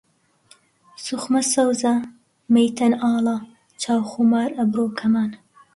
سوخمە سەوزە، مەیتەن ئاڵە، چاو خومار، ئەبرۆ کەمان